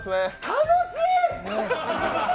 楽しい！